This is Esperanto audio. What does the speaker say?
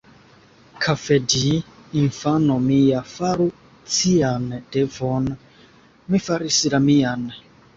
Kafedji, infano mia, faru cian devon: mi faris la mian.